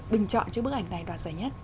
bình chọn trước bức ảnh này đoạt giải nhất